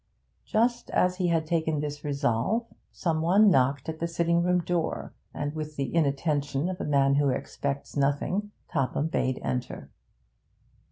Just as he had taken this resolve some one knocked at the sitting room door, and with the inattention of a man who expects nothing, Topham bade enter.